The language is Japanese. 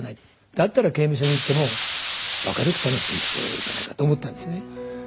だったら刑務所に行っても明るく楽しく生きてようじゃないか」と思ったんですね。